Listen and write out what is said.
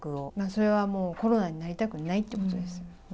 それはもうコロナになりたくないっていうことですよ。